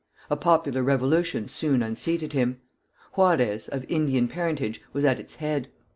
A popular revolution soon unseated him. Juarez, of Indian parentage, was at its head.